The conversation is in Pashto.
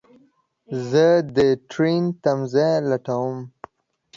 زه دټرين تم ځای لټوم